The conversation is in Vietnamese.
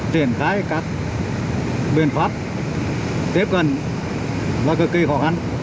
triển khai các biện pháp tiếp cận và cực kỳ khó khăn